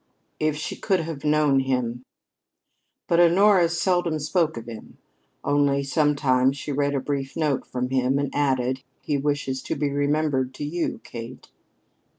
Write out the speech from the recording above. If she could have known him But Honora seldom spoke of him. Only sometimes she read a brief note from him, and added: "He wishes to be remembered to you, Kate."